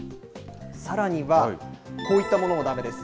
さらには、こういったものもだめです。